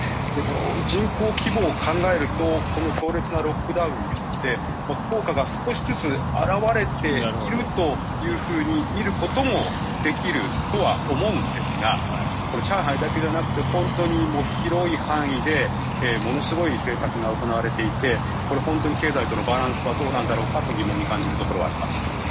人口規模を考えると強烈なロックダウンによって効果が少しずつ表れているとみることもできるとは思うんですが上海だけではなくて本当に広い範囲でものすごい政策が行われていてこの経済とのバランスがどうなんだろうかと疑問に感じるところはあります。